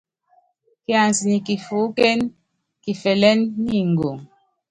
Kiansɛ nyɛ kifuúkén, kifɛlɛ́n ni ngoŋ.